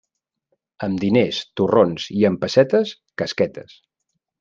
Amb diners, torrons, i amb pessetes, casquetes.